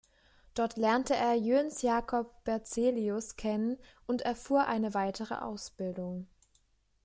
Dort lernte er Jöns Jacob Berzelius kennen und erfuhr eine weitere Ausbildung.